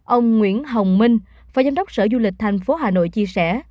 ông nguyễn hồng minh phó giám đốc sở du lịch thành phố hà nội chia sẻ